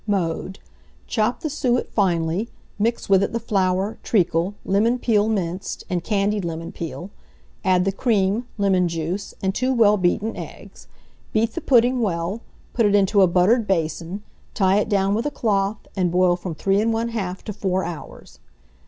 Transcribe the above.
Mode. Chop the suet finely; mix with it the flour, treacle, lemon peel minced, and candied lemon peel; add the cream, lemon juice, and 2 well beaten eggs; beat the pudding well, put it into a buttered basin, tie it down with a cloth, and boil from 3 1/2 to 4 hours.